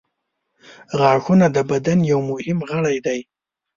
• غاښونه د بدن یو مهم غړی دی.